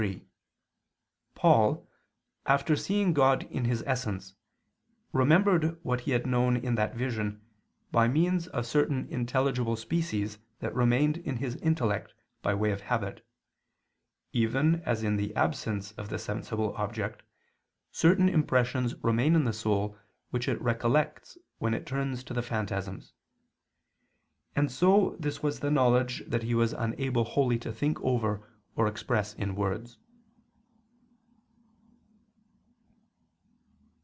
3: Paul, after seeing God in His essence, remembered what he had known in that vision, by means of certain intelligible species that remained in his intellect by way of habit; even as in the absence of the sensible object, certain impressions remain in the soul which it recollects when it turns to the phantasms. And so this was the knowledge that he was unable wholly to think over or express in words.